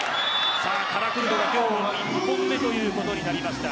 カラクルトの今日１本目ということになりました。